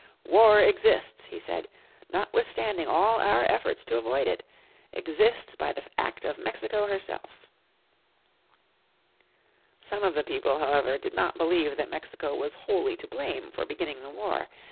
"War exists," he said, "notwithstanding all our efforts to avoid it, exists by the act of Mexico herself." Some of the people, however, did not believe that Mexico was wholly to blame for beginning the war.